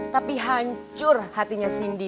tapi hancur hatinya cindy